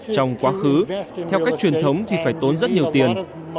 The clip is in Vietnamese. trong quá khứ theo cách truyền thống thì phải tốn rất nhiều tiền